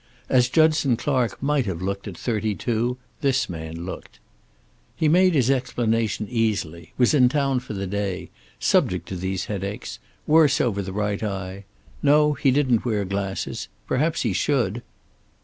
As Judson Clark might have looked at thirty two this man looked. He made his explanation easily. Was in town for the day. Subject to these headaches. Worse over the right eye. No, he didn't wear glasses; perhaps he should.